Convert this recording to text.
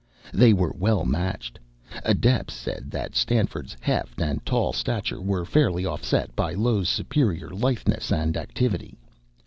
They were well matched. Adepts said that Stanford's "heft" and tall stature were fairly offset by Low's superior litheness and activity.